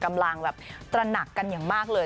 กำลังแบบตระหนักกันอย่างมากเลย